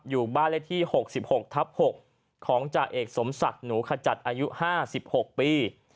อยู่บ้านเลขที่๖๖ทับ๖ของจ่าเอกสมศักดิ์หนูขจัดอายุ๕๖ปี